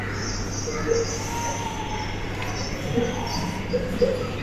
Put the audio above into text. Nninda lw'okomawo nange ŋŋende.